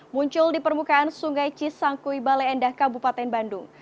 muncul di permukaan sungai cisangkui bale endah kabupaten bandung